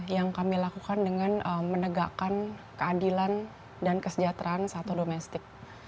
yang kami lakukan dengan menegakkan keadilan dan kesejahteraan satu domestik